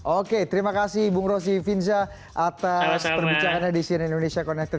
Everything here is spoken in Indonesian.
oke terima kasih bung rosi finca atas perbicaraannya di sini indonesia connected